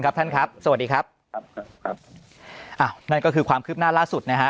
ครับครับครับอ่านั่นก็คือความคืบหน้าล่าสุดนะฮะ